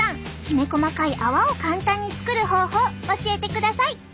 きめ細かい泡を簡単に作る方法教えてください。